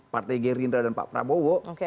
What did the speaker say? partai gerindra dan pak prabowo